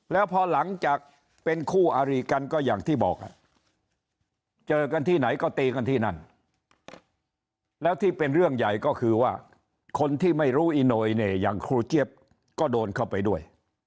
แล้วพอหลังจากเป็นคู่อารีกันก็อย่างที่บอกเจอกันที่ไหนก็ตีกันที่นั่นแล้วที่เป็นเรื่องใหญ่ก็คือว่าคนที่ไม่รู้อีโนยเนี่ยอย่างครูเจี๊ยบก็โดนเข้าไปด้วย